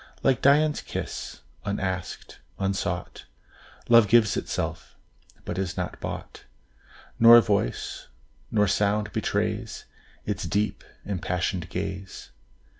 Like Dian's kiss, unasked, unsought, Love gives itself, but is not bought; Nor voice, nor sound betrays Its deep, impassioned gaze.